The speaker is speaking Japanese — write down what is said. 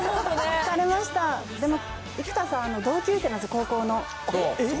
でも生田さん、同級生なんです、高校の。